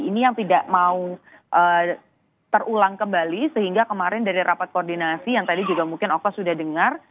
ini yang tidak mau terulang kembali sehingga kemarin dari rapat koordinasi yang tadi juga mungkin oka sudah dengar